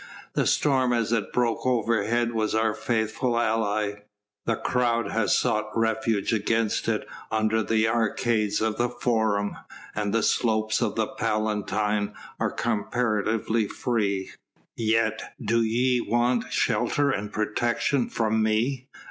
The storm as it broke overhead was our faithful ally; the crowd has sought refuge against it under the arcades of the Forum, and the slopes of the Palatine are comparatively free." "Yet, do ye want shelter and protection from me?"